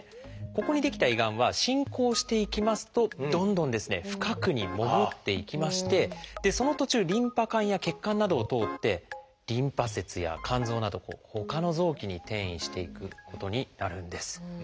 ここに出来た胃がんは進行していきますとどんどん深くに潜っていきましてその途中リンパ管や血管などを通ってリンパ節や肝臓などほかの臓器に転移していくことになるんです。